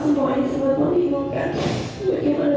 sempat membingungkan bagaimana